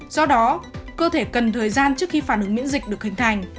do đó cơ thể cần thời gian trước khi phản ứng miễn dịch được hình thành